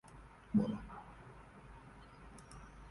tụọ mkpọrọ